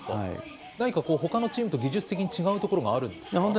何かほかのチームと技術的に違うところがあるんですか？